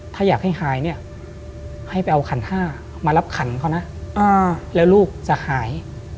ถ้าอยากให้หายเนี่ยให้ไปเอาขันห้ามารับขันเขานะแล้วลูกจะหาย